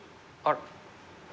あら？